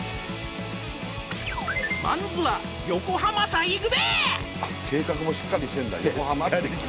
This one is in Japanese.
まんずは横浜さ行くべ！